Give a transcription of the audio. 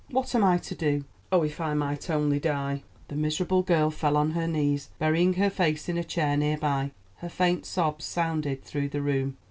What am I to do? Oh, if I might only die!" The miserable girl fell on her knees, burying her face in a chair near by; her faint sobs sounded through the room.